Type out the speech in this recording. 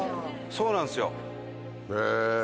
そうなんですよ。